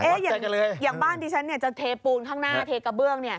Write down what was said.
อย่างบ้านที่ฉันจะเทปูนข้างหน้าเทกระเบื้อง